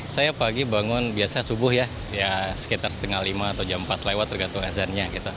saya pagi bangun biasa subuh ya sekitar setengah lima atau jam empat lewat tergantung azannya gitu